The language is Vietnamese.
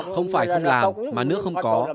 không phải không làm mà nước không có